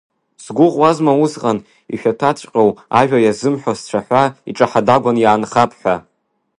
Сгәыӷуазма усҟан, ишәаҭәаҵәҟьоу ажәа иазымҳәо сцәаҳәа, иҿаҳа-дагәан иаанхап ҳәа.